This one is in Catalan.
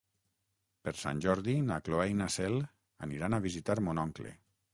Per Sant Jordi na Cloè i na Cel aniran a visitar mon oncle.